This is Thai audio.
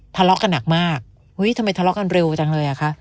ทะเลาะกันหนักมากเฮ้ยทำไมทะเลาะกันเร็วจังเลยอ่ะคะ